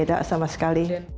tidak sama sekali